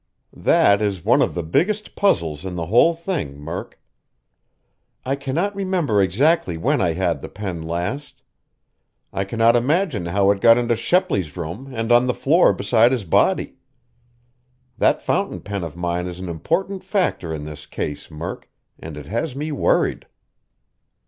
"That is one of the biggest puzzles in the whole thing, Murk. I cannot remember exactly when I had the pen last. I cannot imagine how it got into Shepley's room and on the floor beside his body. That fountain pen of mine is an important factor in this case, Murk, and it has me worried."